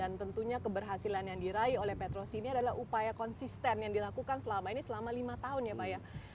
dan tentunya keberhasilan yang diraih oleh petrosi ini adalah upaya konsisten yang dilakukan selama ini selama lima tahun ya pak ya